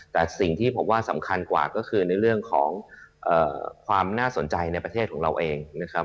แต่สิ่งที่ผมว่าสำคัญกว่าก็คือในเรื่องของความน่าสนใจในประเทศของเราเองนะครับ